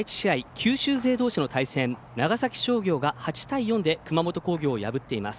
九州勢どうしの対戦長崎商業が８対４で熊本工業を破っています。